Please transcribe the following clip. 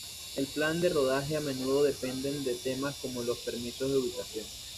El plan de rodaje a menudo dependen de temas como los permisos de ubicación.